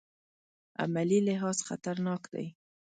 عملي لحاظ خطرناک دی.